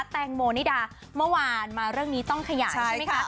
แตงโมนิดาเมื่อวานมาเรื่องนี้ต้องขยายใช่ไหมคะ